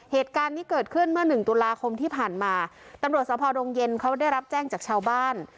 เหตุการณ์นี้เกิดขึ้นเมื่อหนึ่งตุลาคมที่ผ่านมาตำรวจสภดงเย็นเขาได้รับแจ้งจากชาวบ้าน